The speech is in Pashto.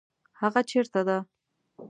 هغه چیرته ده؟